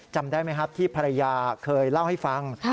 จำได้ไหมครับที่ภรรยาเคยเล่าให้ฟัง